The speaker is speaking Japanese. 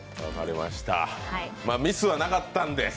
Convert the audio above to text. ミスはなかったんで。